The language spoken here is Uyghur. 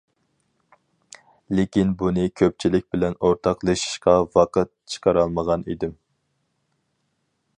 لېكىن بۇنى كۆپچىلىك بىلەن ئورتاقلىشىشقا ۋاقىت چىقىرالمىغان ئىدىم.